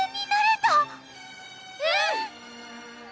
うん！